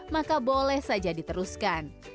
maka boleh saja diteruskan